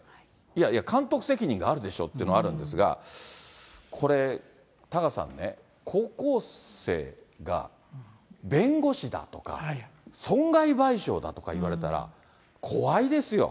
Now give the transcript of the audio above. いやいや、監督責任があるでしょっていうのがあるんですが、これ、タカさんね、高校生が弁護士だとか損害賠償だとか言われたら、怖いですよ。